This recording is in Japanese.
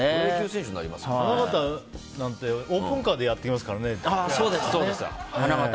花形なんてオープンカーでやってきますからね。